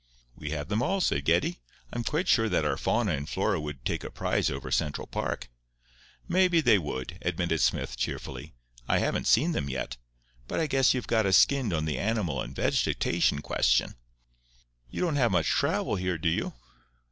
"We have them all," said Geddie. "I'm quite sure that our fauna and flora would take a prize over Central Park." "Maybe they would," admitted Smith, cheerfully. "I haven't seen them yet. But I guess you've got us skinned on the animal and vegetation question. You don't have much travel here, do you?"